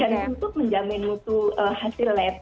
untuk menjamin mutu hasil lab